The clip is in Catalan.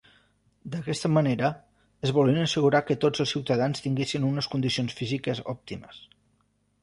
D'aquesta manera, es volien assegurar que tots els ciutadans tinguessin unes condicions físiques òptimes.